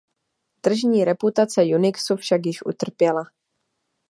Tržní reputace Unixu však již utrpěla.